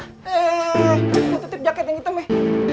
eh gue tutip jaket yang hitam nih